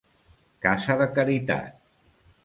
Casa de caritat.